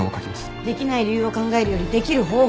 できない理由を考えるよりできる方法を考える。